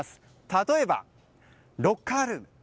例えば、ロッカールーム。